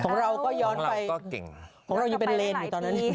ของเราก็ย้อนไปของเราก็เก่งของเราก็ยังเป็นเลนอยู่ตอนนั้น